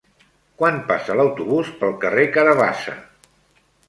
Quan passa l'autobús pel carrer Carabassa?